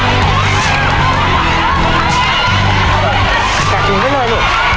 เอาที่ที่สุด